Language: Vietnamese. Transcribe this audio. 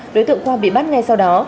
đối tượng khoa bị bắt ngay sau đó